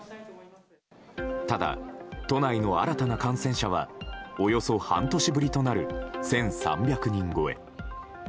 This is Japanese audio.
ただ、都内の新たな感染者はおよそ半年ぶりとなる１３００人超え。